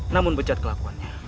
namun bejat kelakuannya